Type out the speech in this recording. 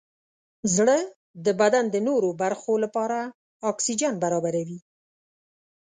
زړه د بدن د نورو برخو لپاره اکسیجن برابروي.